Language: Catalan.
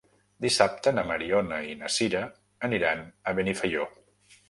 Dissabte na Mariona i na Sira aniran a Benifaió.